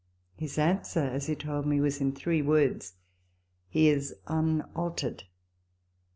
His answer, as he told me, was in three words :" He is unaltered."